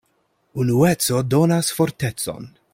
Unueco donas fortecon.